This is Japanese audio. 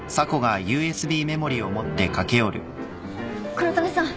黒種さん